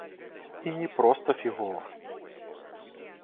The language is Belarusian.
І не проста фігова.